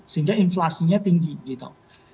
sehingga inflasinya tinggi gitu